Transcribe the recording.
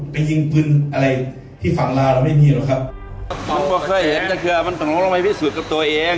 ยิงปืนอะไรที่ฝั่งลาวเราไม่มีหรอกครับผมก็เคยเห็นแต่เครือมันตกลงเราไปพิสูจน์กับตัวเอง